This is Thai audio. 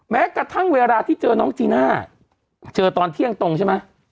แม้กระทั่งเวลาที่เจอน้องจีน่าเจอตอนเที่ยงตรงใช่ไหม